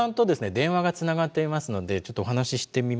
電話がつながっていますのでちょっとお話ししてみましょう。